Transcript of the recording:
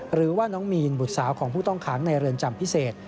หรือว่าน้องมีนบุตรสาวของผู้ต้องขังในเรือนจำพิเศษ